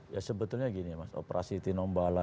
ya sebetulnya gini mas operasi tinombala